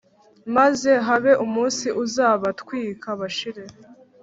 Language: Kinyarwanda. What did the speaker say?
maze habe umunsi uzabatwika bashire